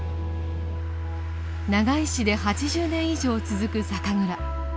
長井市で８０年以上続く酒蔵。